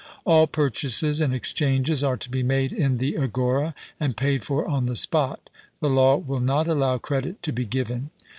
All purchases and exchanges are to be made in the agora, and paid for on the spot; the law will not allow credit to be given.